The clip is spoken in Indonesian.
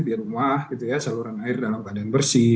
di rumah saluran air dalam keadaan bersih